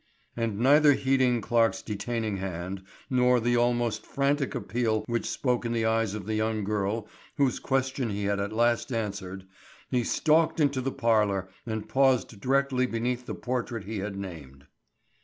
And neither heeding Clarke's detaining hand, nor the almost frantic appeal which spoke in the eyes of the young girl whose question he had at last answered, he stalked into the parlor and paused directly beneath the portrait he had named.